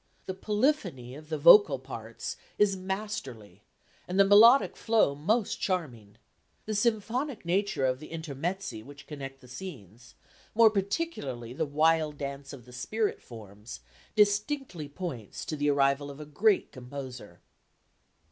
The polyphony of the vocal parts is masterly and the melodic flow most charming. The symphonic nature of the intermezzi which connect the scenes, more particularly the wild dance of the spirit forms, distinctly points to the arrival of a great composer."